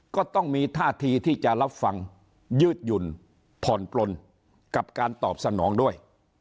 ก็ต้องมีท่าทีที่จะรับฟังยืดหยุ่นผ่อนปลนกับการตอบสนองด้วย